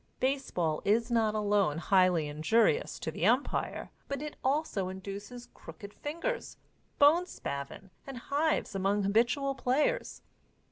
Baseball is not alone highly injurious to the umpire, but it also induces crooked fingers, bone spavin and hives among habitual players.